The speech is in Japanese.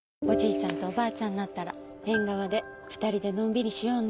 ちゃんとおばあちゃんになったら縁側で２人でのんびりしようね。